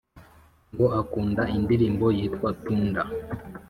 ngo akunda indirimbo yitwa thunder